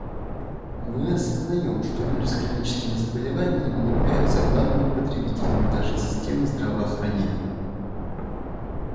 Мы осознаем, что люди с хроническими заболеваниями являются главными потребителями нашей системы здравоохранения.